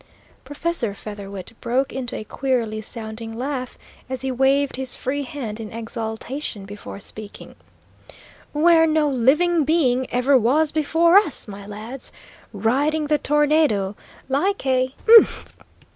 Professor Featherwit broke into a queerly sounding laugh, as he waved his free hand in exultation before speaking: "Where no living being ever was before us, my lads, riding the tornado like a ugh!"